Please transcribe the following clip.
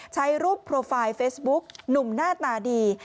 ใช้รูปโปรไฟล์เฟซบุ๊กหนุ่มหน้าตาดี